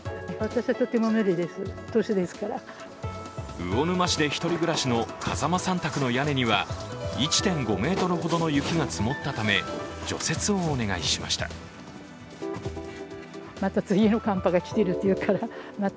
魚沼市で１人暮らしの風間さん宅の屋根には１．５ｍほどの雪が積もったため、除雪をお願いしました。